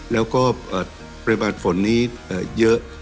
แล้วก็ปริมาณฝนนี้เยอะ